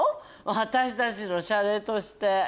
私たちのシャレとして。